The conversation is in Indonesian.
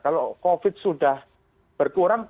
kalau covid sudah berkurang